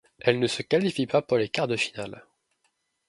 Elle ne se qualifie pas pour les quarts de finale.